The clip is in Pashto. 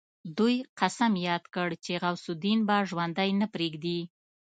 دوی قسم ياد کړ چې غوث الدين به ژوندی نه پريږدي.